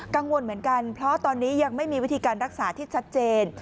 กังวลเหมือนกันเพราะตอนนี้ยังไม่มีวิธีการรักษาที่ชัดเจน